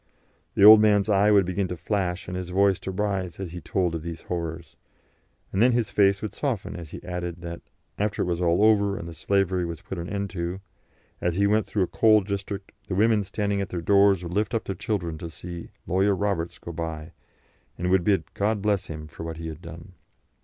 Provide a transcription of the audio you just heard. The old man's eye would begin to flash and his voice to rise as he told of these horrors, and then his face would soften as he added that, after it was all over and the slavery was put an end to, as he went through a coal district the women standing at their doors would lift up their children to see "Lawyer Roberts" go by, and would bid "God bless him" for what he had done.